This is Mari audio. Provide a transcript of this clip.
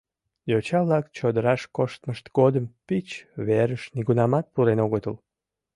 Йоча-влак чодыраш коштмышт годым пич верыш нигунамат пурен огытыл.